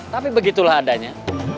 tapi begitulah adanya